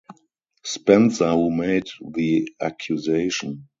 Spencer, who made the accusation.